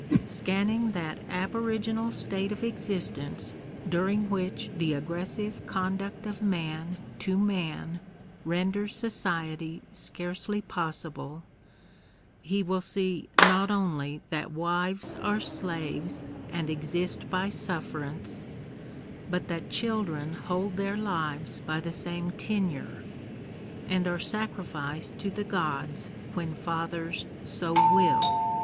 Scanning that aboriginal state of existence during which the aggressive conduct of man to man renders society scarcely possible, he will see not only that wives are slaves and exist by sufferance, but that children hold their lives by the same tenure, and are sacrificed to the gods when fathers so will.